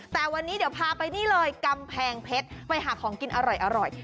แต่วันนี้เดี๋ยวพาไปนี่เลยกำแพงเพชรไปหาของกินอร่อย